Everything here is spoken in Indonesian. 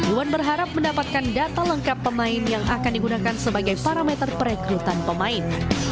iwan berharap mendapatkan data lengkap pemain yang akan digunakan sebagai parameter perekrutan pemain